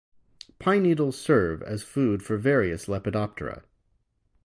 Pine needles serve as food for various Lepidoptera.